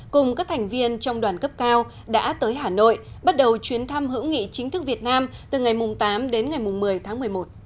cùng các thành viên trong đoàn cấp cao đã tới hà nội bắt đầu chuyến thăm hữu nghị chính thức việt nam từ ngày tám đến ngày một mươi tháng một mươi một